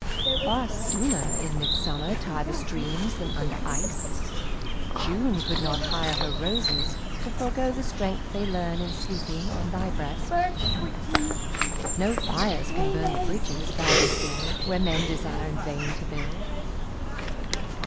Far sooner in midsummer tire The streams than under ice. June could not hire Her roses to forego the strength they learn In sleeping on thy breast. No fires can burn The bridges thou dost lay where men desire In vain to build.